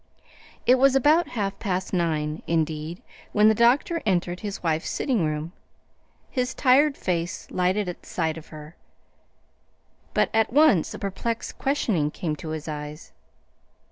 It was about half past nine, indeed, when the doctor entered his wife's sitting room. His tired face lighted at sight of her, but at once a perplexed questioning came to his eyes.